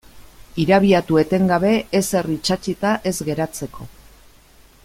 Irabiatu etengabe ezer itsatsita ez geratzeko.